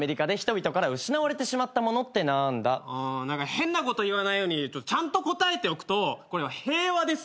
変なこと言わないようにちゃんと答えておくとこれは平和ですよ。